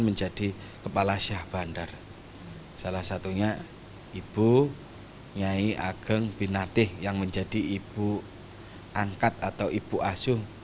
menjadi kepala syah bandar salah satunya ibu nyai ageng binateh yang menjadi ibu angkat atau ibu asuh